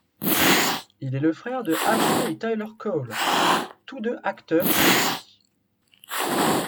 Il est le frère de Ashley et Tyler Cole, tous deux acteurs eux aussi.